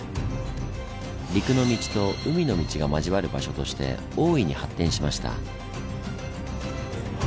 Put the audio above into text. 陸の道と海の道が交わる場所として大いに発展しました。